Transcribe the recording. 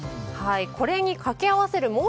これにかけ合わせる